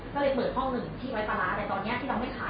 ก็เลยเปิดห้องหนึ่งที่ไว้ปลาร้าแต่ตอนนี้ที่เราไม่ขาย